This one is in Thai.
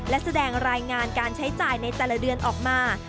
และแสดงรายงานการใช้จ่ายในแต่ละเดือนออกมา